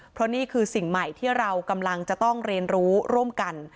เพราะนี่คือสิ่งใหม่ที่เรากำลังจะต้องเรียนรู้ร่วมกัน